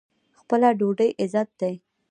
خپله ډوډۍ عزت دی.